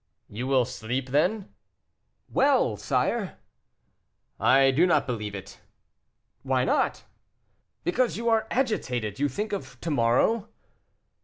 "You will sleep, then?" "Well, sire!" "I do not believe it." "Why not?" "Because you are agitated; you think of to morrow."